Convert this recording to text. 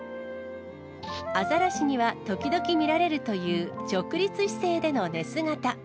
アザラシには時々見られるという直立姿勢での寝姿。